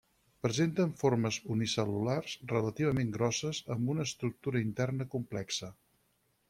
Presenten formes unicel·lulars, relativament grosses, amb una estructura interna complexa.